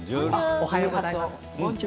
おはようございます。